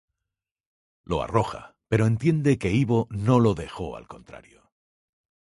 Lo arroja, pero entiende que Ivo no lo dejó al contrario.